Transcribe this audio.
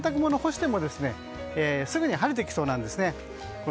ただ、この段階で洗濯物干してもすぐに晴れてきそうなんですね。